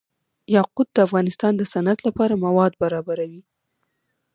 یاقوت د افغانستان د صنعت لپاره مواد برابروي.